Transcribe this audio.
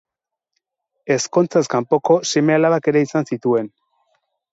Ezkontzaz kanpoko seme-alabak ere izan zituen.